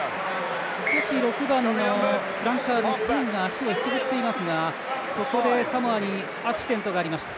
６番、フランカー足を引きずっていますがここで、サモアにアクシデントがありました。